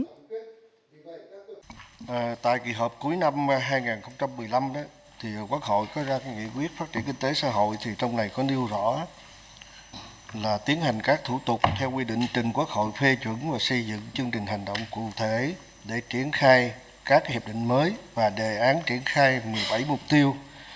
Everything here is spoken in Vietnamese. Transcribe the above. tại kỳ họp cuối năm hai nghìn một mươi năm quốc hội có ra nghị quyết phát triển kinh tế xã hội trong này có nêu rõ là tiến hành các thủ tục theo quy định trình quốc hội phê chuẩn và xây dựng chương trình hành động cụ thể để triển khai các hiệp định mới và đề án triển khai một mươi bảy mục tiêu